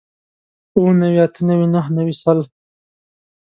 اووه نوي اتۀ نوي نهه نوي سل